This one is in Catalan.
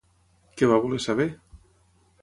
Què va voler saber?